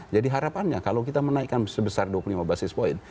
jadi harapannya kalau kita menaikan sebesar dua puluh lima basis point